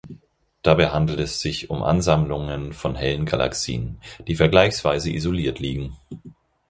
Dabei handelt es sich um Ansammlungen von hellen Galaxien, die vergleichsweise isoliert liegen.